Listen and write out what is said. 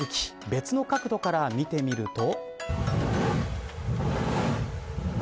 別の角度から見てみると。